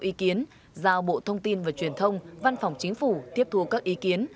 ý kiến giao bộ thông tin và truyền thông văn phòng chính phủ tiếp thu các ý kiến